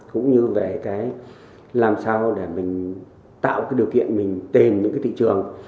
cũng như về cái làm sao để mình tạo cái điều kiện mình tìm những cái thị trường